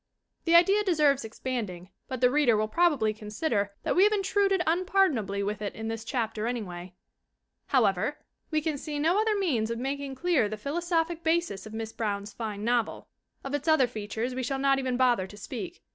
The idea deserves expanding, but the reader will probabjy consider that we have intruded unpardon ably with it in this chapter anyway. However, we can see no other means of making clear the philosophic basis of Miss Brown's fine novel. Of its other fea tures we shall not even bother to speak.